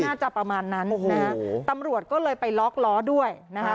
น่าจะประมาณนั้นนะฮะตำรวจก็เลยไปล็อกล้อด้วยนะคะ